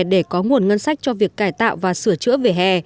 để có nguồn ngân sách cho việc cải tạo và sửa chữa về hè